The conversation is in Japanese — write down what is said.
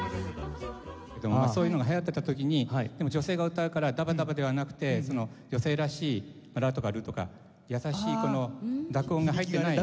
そういうのが流行っていた時にでも女性が歌うからダバダバではなくて女性らしい「ラ」とか「ル」とか優しいこの濁音が入ってない。